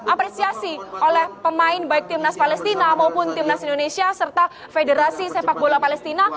apresiasi oleh pemain baik tim nas palestina maupun tim nas indonesia serta federasi sepak bola palestina